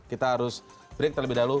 kita harus break terlebih dahulu